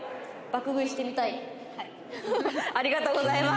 ありがとうございます。